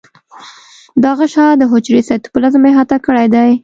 دا غشا د حجرې سایتوپلازم احاطه کړی دی.